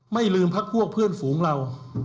ไม่ลืมพ่อเพื่อนฝูงเรา